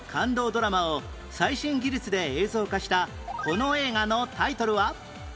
ドラマを最新技術で映像化したこの映画のタイトルは？